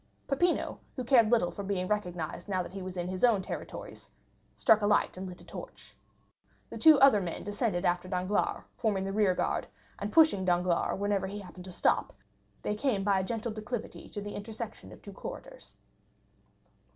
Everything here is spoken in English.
Peppino, who cared little for being recognized now that he was in his own territories, struck a light and lit a torch. Two other men descended after Danglars forming the rearguard, and pushing Danglars whenever he happened to stop, they came by a gentle declivity to the intersection of two corridors.